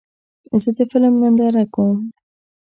زه د فلم ننداره کوم.